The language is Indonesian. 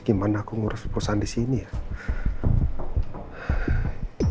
gimana aku ngurus perusahaan di sini ya